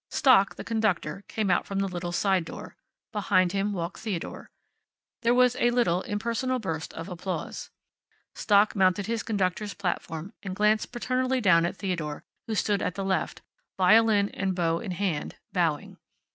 Stock, the conductor, came out from the little side door. Behind him walked Theodore. There was a little, impersonal burst of applause. Stock mounted his conductor's platform and glanced paternally down at Theodore, who stood at the left, violin and bow in hand, bowing.